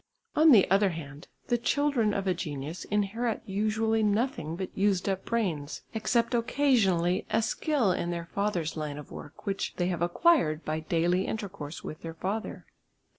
On the other hand, the children of a genius inherit usually nothing but used up brains, except occasionally a skill in their father's line of work, which they have acquired by daily intercourse with their father.